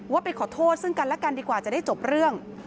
ไปขอโทษซึ่งกันและกันดีกว่าจะได้จบเรื่อง